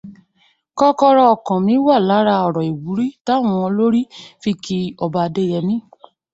Kọ́kọ́rọ́ ọkàn mi wà lára ọ̀rọ̀ ìwúrí táwọn olorì fi kí Ọba Adéyemí.